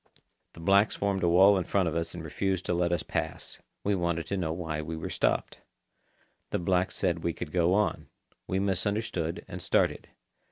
The blacks formed a wall in front of us and refused to let us pass. We wanted to know why we were stopped. The blacks said we could go on. We misunderstood, and started.